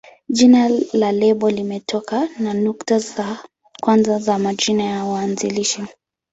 Jina la lebo limetokana na nukta za kwanza za majina ya waanzilishi.